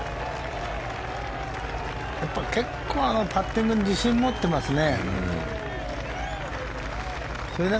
結構、パッティングに自信を持っていますね。